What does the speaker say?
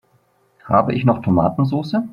Habe ich noch Tomatensoße?